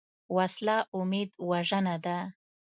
وسله امید وژنه ده